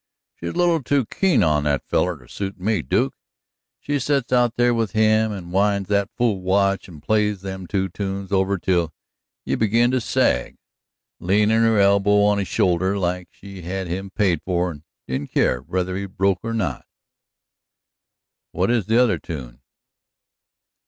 "She's a little too keen on that feller to suit me, Duke. She sets out there with him, and winds that fool watch and plays them two tunes over till you begin to sag, leanin' her elbow on his shoulder like she had him paid for and didn't care whether he broke or not." "What is the other tune?"